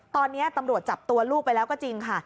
ตอนนี้ตำรวจจับตัวลูกไปแล้วก็จริงค่ะ